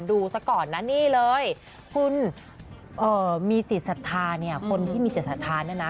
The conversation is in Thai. ดูสักก่อนนะนี่เลยคุณมีจิตศรัทธาคนที่มีจิตศรัทธานะนะ